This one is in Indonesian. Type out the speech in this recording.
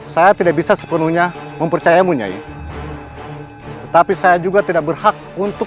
saya tidak bisa sepenuhnya mempercayamunya ya tetapi saya juga tidak berhak untuk